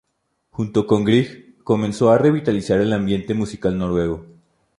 Junto con Grieg comenzó a revitalizar el ambiente musical noruego.